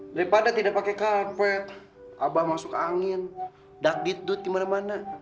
daripada tidak pakai karpet abah masuk angin dgt decide mana mana